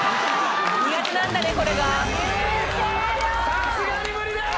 さすがに無理です。